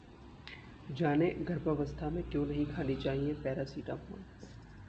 जानें गर्भावस्था में क्यों नहीं खानी चाहिए पैरासिटामॉल